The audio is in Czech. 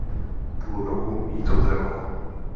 Půl roku jí to trvalo.